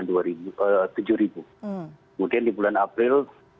kemudian di bulan april